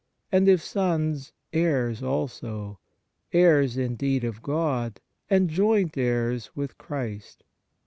And if sons, heirs also ; heirs indeed of God, and joint heirs with Christ."